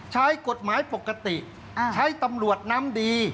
ใช้กฎหมายปกติใช้ตำรวจน้ำดี